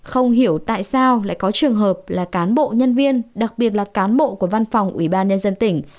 không hiểu tại sao lại có trường hợp là cán bộ nhân viên đặc biệt là cán bộ của văn phòng ubnd tỉnh